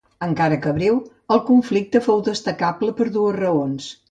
Encara que breu, el conflicte fou destacable per dues raons.